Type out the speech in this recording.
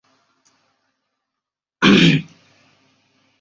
তিনি আবার ফরাসি চ্যাম্পিয়নশীপ এবং উইম্বলডন চতুর্থ রাউন্ডে পৌঁছে ছিলেন।